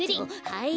はい。